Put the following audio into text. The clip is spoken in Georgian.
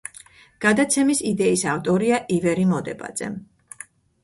გადაცემის იდეის ავტორია ივერი მოდებაძე.